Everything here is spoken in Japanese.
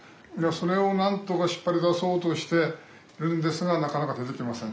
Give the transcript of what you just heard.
それをなんとか引っ張り出そうとしてるんですがなかなか出てきません。